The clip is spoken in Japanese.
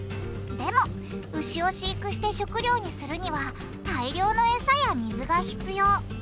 でも牛を飼育して食料にするには大量のエサや水が必要。